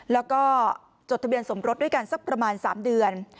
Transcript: แล้วก็จดทะเบียนสมรสด้วยกันสักประมาณ๓เดือน